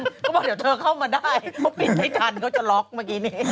เขาบอกเดี๋ยวเธอเข้ามาได้เขาปิดไม่ทันเขาจะล็อกเมื่อกี้นี้